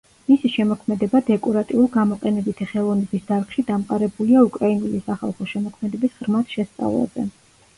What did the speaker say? მისი შემოქმედება დეკორატიულ-გამოყენებითი ხელოვნების დარგში დამყარებულია უკრაინული სახალხო შემოქმედების ღრმად შესწავლაზე.